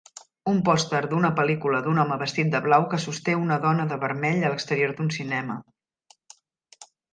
Un pòster d'una pel·lícula d'un home vestit de blau que sosté una dona de vermell a l'exterior d'un cinema